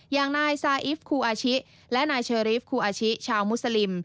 อย่างนายซาอิฟคูอาชิและนายเชอรีฟคูอาชิชาวมุสลิม